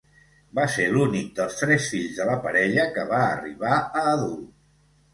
Va ser l'únic dels tres fills de la parella que va arribar a adult.